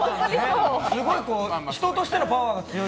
人としてのパワーが強い。